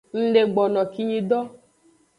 Ngdegbono no kinyi do.